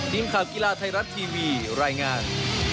ทีมข่าวกีฬาไทยรัฐทีวีรายงาน